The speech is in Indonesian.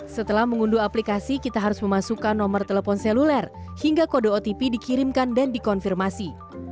setelah mengunduh aplikasi kita harus memasukkan nomor telepon seluler hingga kode otp dikirimkan dan dikonfirmasi